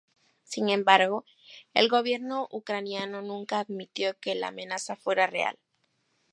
Sin embargo, el gobierno ucraniano nunca admitió que la amenaza fuera real.